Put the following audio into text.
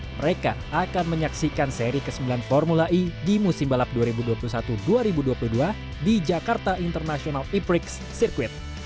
mereka akan menyaksikan seri ke sembilan formula e di musim balap dua ribu dua puluh satu dua ribu dua puluh dua di jakarta international e prix circuit